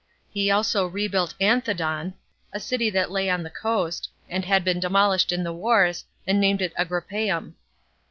He also rebuilt Anthedon, a city that lay on the coast, and had been demolished in the wars, and named it Agrippeum.